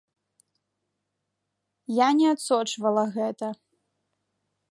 Я не адсочвала гэта.